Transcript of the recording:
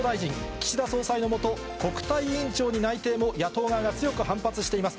岸田総裁の下、国対委員長に内定も、野党側が強く反発しています。